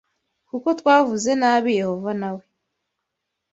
kuko twavuze nabi Yehova nawe